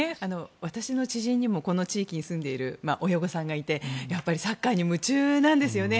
私の知人にもこの地域に住んでいる親御さんがいてサッカーに夢中なんですよね。